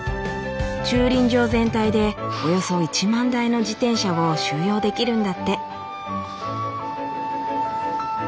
駐輪場全体でおよそ１万台の自転車を収容できるんだって。